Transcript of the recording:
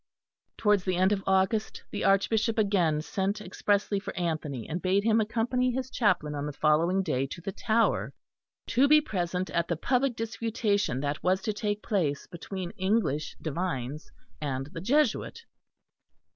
Towards the end of August the Archbishop again sent expressly for Anthony and bade him accompany his chaplain on the following day to the Tower, to be present at the public disputation that was to take place between English divines and the Jesuit.